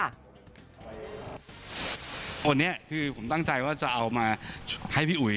อันนี้คือผมตั้งใจว่าจะเอามาให้พี่อุ๋ย